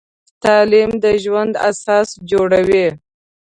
تعلیم د ژوند اساس جوړوي.